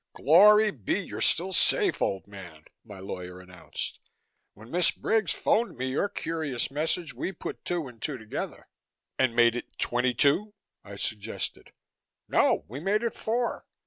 "Glory be, you're still safe, old man," my lawyer announced. "When Miss Briggs phoned me your curious message, we put two and two together." "And made it twenty two?" I suggested. "No, we made it four.